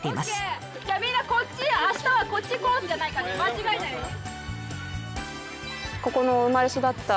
みんなこっち明日はこっちコースじゃないから間違えないように。